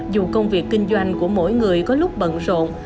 dù công việc kinh doanh của mỗi người có lúc bận rộn